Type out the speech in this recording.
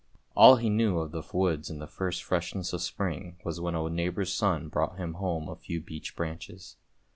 All he knew of the woods in the first freshness of spring was when a neighbour's son brought him home a few beech branches.